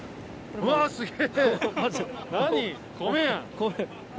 うわすげぇ。